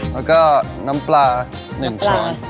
แล้วก็น้ำปลา๑ช้อน